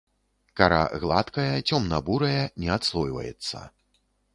Кара гладкая, цёмна-бурая, не адслойваецца.